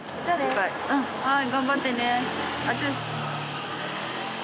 はい頑張ってね。